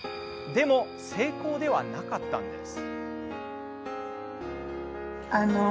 でも、成功ではなかったんです。